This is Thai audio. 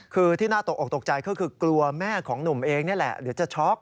คือที่น่าตกออกตกใจก็คือกลัวแม่ของหนุ่มเองนี่แหละเดี๋ยวจะช็อก